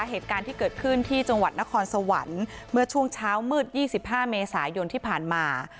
เหตุการณ์ที่เกิดขึ้นที่จังหวัดนครสวรรค์เมื่อช่วงเช้ามืด๒๕เมษายนที่ผ่านมา